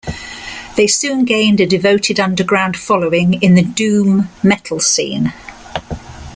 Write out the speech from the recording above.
They soon gained a devoted underground following in the doom metal scene.